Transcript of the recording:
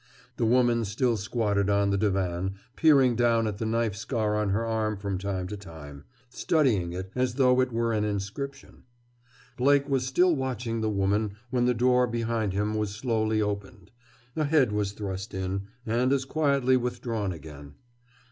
The woman still squatted on the divan, peering down at the knife scar on her arm from time to time, studying it, as though it were an inscription. Blake was still watching the woman when the door behind him was slowly opened; a head was thrust in, and as quietly withdrawn again.